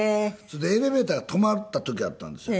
それでエレベーターが止まった時あったんですよ。